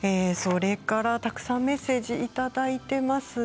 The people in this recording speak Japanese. たくさんメッセージいただいています。